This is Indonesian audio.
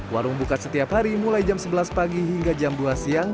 warung buka setiap hari mulai jam sebelas pagi hingga jam dua siang